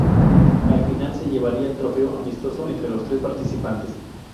Al final se llevaría el trofeo amistoso entre los tres participantes.